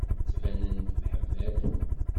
Ttbanen-d mḥemmalen.